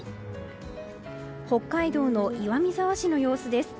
北海道の岩見沢市の様子です。